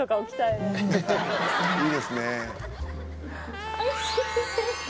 いいですね。